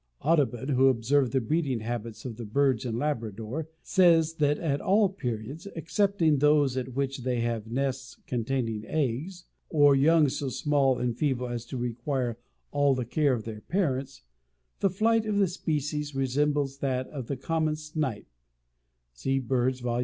Audubon, who observed the breeding habits of the birds in Labrador, says that at all periods, excepting those at which they have nests containing eggs, or young so small and feeble as to require all the care of their parents, the flight of this species resembles that of the Common Snipe (see BIRDS, Vol.